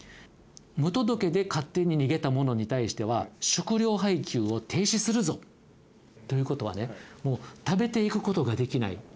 「無届けで勝手に逃げた者に対しては食糧配給を停止するぞ」。ということはねもう食べていくことができない。